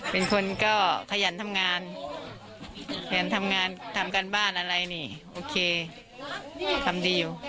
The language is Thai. เป็นคนก็ขยันทำงานขยันทำงานทำการบ้านอะไรนี่โอเคทำดีอยู่